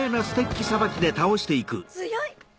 強い！